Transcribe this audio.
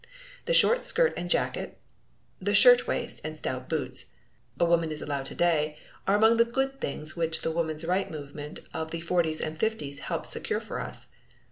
The short skirt and jacket, the shirt waist and stout boots, a woman is allowed to day, are among the good things which the Woman's Rights movement of the 40's and 50's helped secure for us.